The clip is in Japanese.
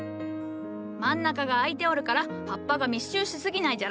真ん中が空いておるから葉っぱが密集しすぎないじゃろ？